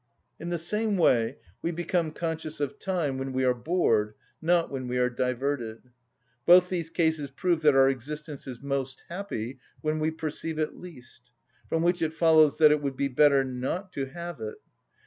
In the same way we become conscious of time when we are bored, not when we are diverted. Both these cases prove that our existence is most happy when we perceive it least, from which it follows that it would be better not to have it.